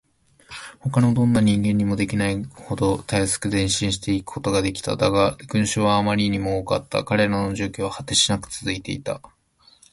ほかのどんな人間にもできないほどたやすく前進していくことができた。だが、群集はあまりにも多かった。彼らの住居は果てしなくつづいていた。